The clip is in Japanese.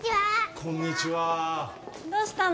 こんにちはどうしたの？